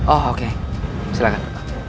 oh oke silahkan